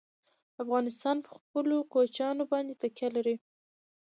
افغانستان په خپلو کوچیانو باندې تکیه لري.